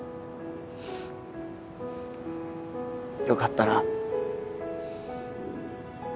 よかったな。